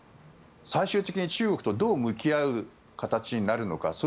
最終的に中国とどう向き合う形になるのか。